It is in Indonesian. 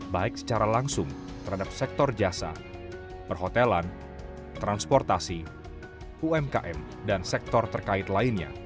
baik secara langsung terhadap sektor jasa perhotelan transportasi umkm dan sektor terkait lainnya